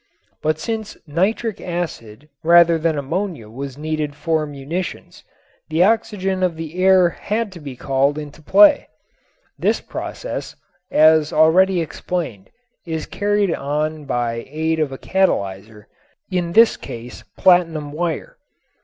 But since nitric acid rather than ammonia was needed for munitions, the oxygen of the air had to be called into play. This process, as already explained, is carried on by aid of a catalyzer, in this case platinum wire.